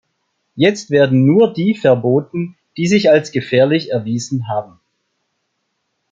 Jetzt werden nur die verboten, die sich als gefährlich erwiesen haben.